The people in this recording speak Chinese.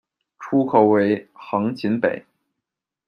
出口为横琴北。